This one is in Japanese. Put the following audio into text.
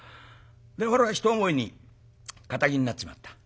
で俺は一思いに堅気になっちまった。